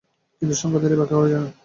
কিন্তু সংজ্ঞা দিলেই ব্যাখ্যা করা হয় না।